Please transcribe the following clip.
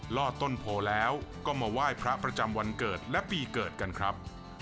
ลอดต้นโพแล้วก็มาไหว้พระประจำวันเกิดและปีเกิดกันครับ